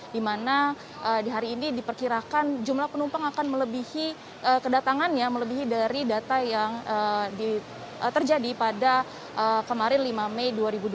di mana di hari ini diperkirakan jumlah penumpang akan melebihi kedatangannya melebihi dari data yang terjadi pada kemarin lima mei dua ribu dua puluh